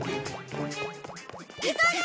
急げ！